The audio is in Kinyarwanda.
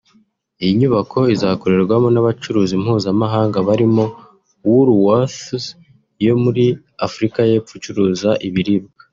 Iyi nyubako izakorerwamo n’abacuruzi mpuzamahanga barimo Woolworths yo muri Afurika y’ Epfo icuruza ibiribwa